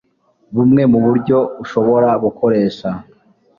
bumwe mu buryo ushobora gukoresha